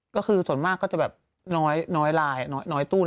ก็คือส่วนมากก็จะแบบน้อยลายน้อยตู้